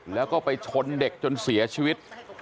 แล้วก็ไปชนเด็กจนเสียชีวิต